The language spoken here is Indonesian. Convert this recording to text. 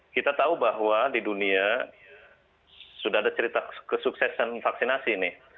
kita tahu bahwa di dunia sudah ada cerita kesuksesan vaksinasi nih